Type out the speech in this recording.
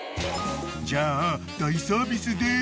［じゃあ大サービスです